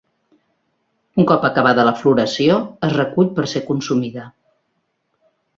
Un cop acabada la floració es recull per ser consumida.